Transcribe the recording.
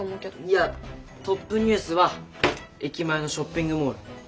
いやトップニュースは駅前のショッピングモール。